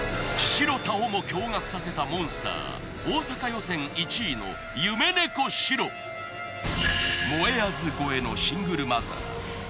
白田をも驚がくさせたモンスター大阪予選１位の。もえあず超えのシングルマザー。